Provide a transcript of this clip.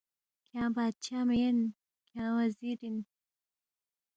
کھیانگ بادشاہ مین، کھانگ وزیر اِن